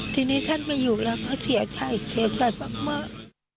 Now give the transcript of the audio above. ทีนี้ท่านมาอยู่แล้วเพราะเสียชัยเสียชัยฟังเมอร์